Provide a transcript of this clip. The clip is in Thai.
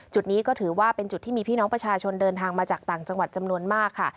จุดนี้ก็ถือว่าเป็นจุดที่มีพี่น้องประชาชนเดินทางมาจากต่างจังหวัดจำนวนมากค่ะ